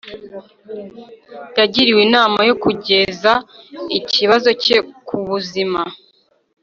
Yagiriwe inama yo kugeza ikibazo cye ku buzima